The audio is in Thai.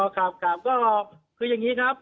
ครับครับก็คืออย่างนี้ครับ